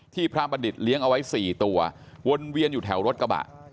พระบัณฑิตเลี้ยงเอาไว้๔ตัววนเวียนอยู่แถวรถกระบะ